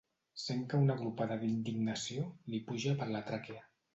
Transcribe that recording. Sent que una glopada d'indignació li puja per la tràquea.